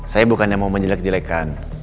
saya bukan yang mau menjelek jelekan